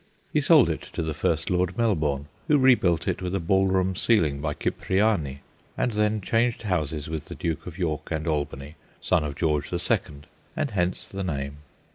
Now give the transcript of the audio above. He sold it to the first Lord Melbourne, who rebuilt it with a ballroom ceiling by Cipriani, and then changed houses with the Duke of York and Albany, son of George the Second, and hence the name.